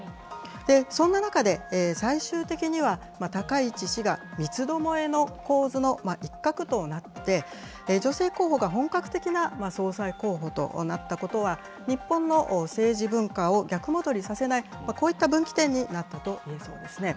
そんな中で、最終的には、高市氏が三つどもえの構図の一角となって、女性候補が本格的な総裁候補となったことは、日本の政治文化を逆戻りさせない、こういった分岐点になったといえそうですね。